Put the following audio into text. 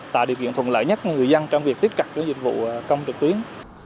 tạo điều kiện thuận lợi nhất cho người dân trong việc tiếp cận với dịch vụ công trực tuyến